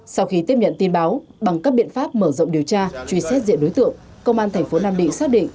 sau khi tiếp nhận tin báo bằng các biện pháp mở rộng điều tra truy xét diện đối tượng công an thành phố nam định xác định